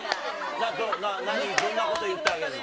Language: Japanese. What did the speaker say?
何、どんなこと言ってあげるの？